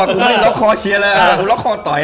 มันเชื่ออะไรยังไม่รู้เลย